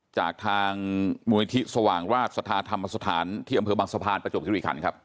จากทางมูลนิธิสว่างราชสัทธาธรรมสถานที่อำเภอบางสะพานประจวบคิริขันครับ